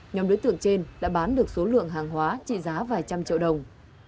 nhóm đối tượng trên đã bán được số lượng hàng hóa trị giá vài trăm triệu đồng